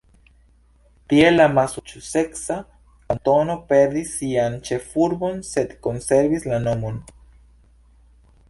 Tiel la masaĉuseca kantono perdis sian ĉefurbon, sed konservis la nomon.